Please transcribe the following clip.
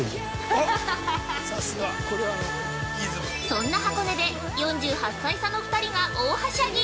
◆そんな箱根で４８歳差の２人が大はしゃぎ！